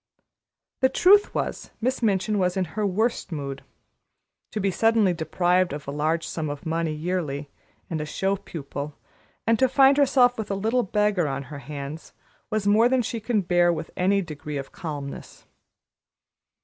The truth was, Miss Minchin was in her worst mood. To be suddenly deprived of a large sum of money yearly and a show pupil, and to find herself with a little beggar on her hands, was more than she could bear with any degree of calmness.